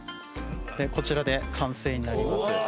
こちらで完成になります。